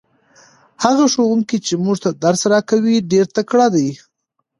هغه ښوونکی چې موږ ته درس راکوي ډېر تکړه دی.